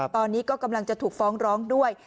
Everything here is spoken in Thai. ตอนนี้ก็กำลังจะถูกฟ้องร้องด้วย